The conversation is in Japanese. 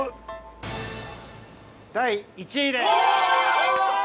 第１位です。